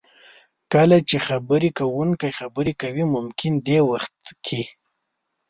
کله چې خبرې کوونکی خبرې کوي ممکن دې وخت کې